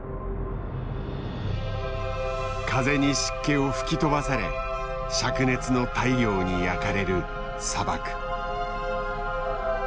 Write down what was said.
風に湿気を吹き飛ばされ灼熱の太陽に焼かれる砂漠。